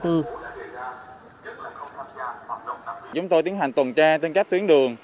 chúng tôi tiến hành tuần tra trên các tuyến đường